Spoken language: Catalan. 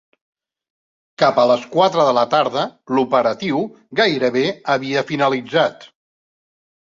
Cap a les quatre de la tarda, l'operatiu gairebé havia finalitzat.